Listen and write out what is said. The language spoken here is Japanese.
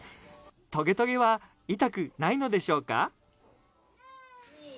とげとげは痛くないのでしょうか？